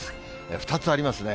２つありますね。